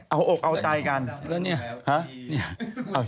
เอาอกเอาใจกันแล้วเนี่ยฮะ